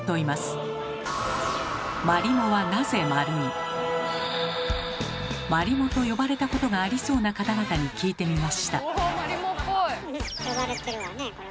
「マリモ」と呼ばれたことがありそうな方々に聞いてみました。